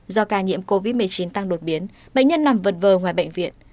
do ca nhiễm covid một mươi chín tăng đột biến bệnh nhân nằm vật vờ ngoài bệnh viện